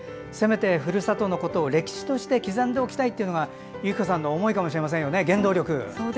せめて、ふるさとのことを歴史として刻んでおきたいというのが由起子さんの思い、原動力かもしれませんね。